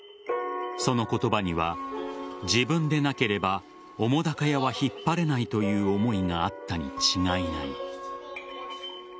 その言葉には、自分でなければ澤瀉屋は引っ張れないという思いがあったに違いない。